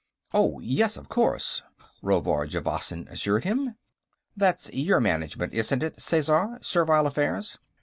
"Oh, yes, of course," Rovard Javasan assured him. "That's your Management, isn't it, Sesar; Servile Affairs?"